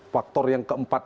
faktor yang keempat